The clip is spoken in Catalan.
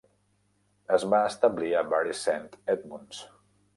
Es va establir a Bury Saint Edmunds.